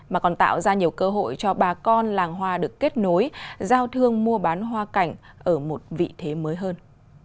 mà còn tạo ra nhiều cơ hội cho bà con làng hoa được kết nối giao thương mua bán hoa cảnh ở một vị thế mới hơn